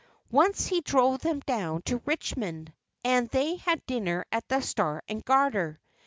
Once he drove them down to Richmond, and they had dinner at the "Star and Garter."